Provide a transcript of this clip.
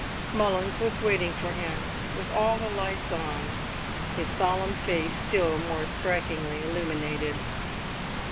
Mullins was waiting for him with all the lights on, his solemn face still more strikingly illuminated.